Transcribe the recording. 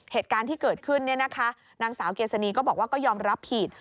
เหตุการณ์ที่เกิดขึ้นนางสาวเกษณีก็บอกว่าก็ยอมรับผิด